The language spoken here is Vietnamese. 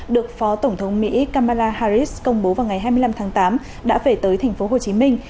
được phó tổng thống mỹ kamala harris công bố vào ngày hai mươi năm tháng tám đã về tới thành phố hồ chí minh